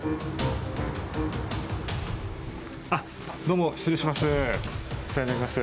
どうも失礼します。